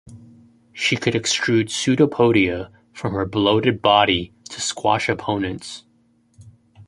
She could extrude pseudopodia from her bloated body to squash opponents.